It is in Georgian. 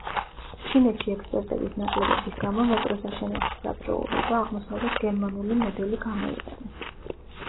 ჩინეთში ექსპერტების ნაკლებობის გამო მეტროს აშენების საბჭოური და აღმოსავლეთ გერმანული მოდელი გამოიყენეს.